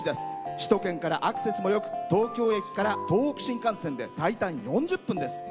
首都圏からアクセスもよく東京駅から東北新幹線で最短４０分です。